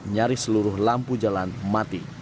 nyaris seluruh lampu jalan mati